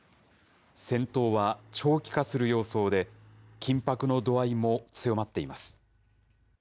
戦闘は長期化する様相で、緊迫の度合いも強まっています。